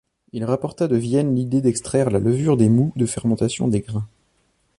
Il rapporta de Vienne l'idée d'extraire la levure des moûts de fermentation des grains.